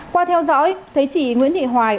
qua theo dõi thấy chị nguyễn thị hoài